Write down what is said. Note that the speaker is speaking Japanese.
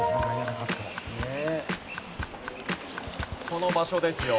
この場所ですよ。